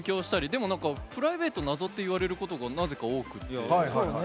でも、プライベート謎って言われることがなぜか多くて。